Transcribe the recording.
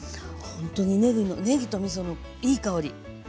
ほんとにねぎとみそのいい香り。